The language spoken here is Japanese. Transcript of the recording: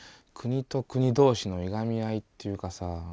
国と国どうしのいがみ合いっていうかさ。